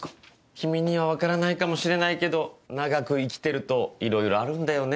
君には分からないかもしれないけど長く生きてるといろいろあるんだよね。